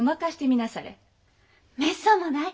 めっそうもない。